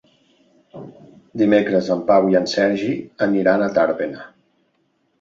Dimecres en Pau i en Sergi aniran a Tàrbena.